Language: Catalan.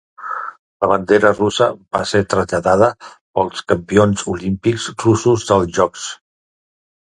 La bandera de Rússia va ser traslladada pels campions olímpics russos dels Jocs.